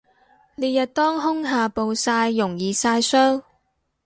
烈日當空下暴曬容易曬傷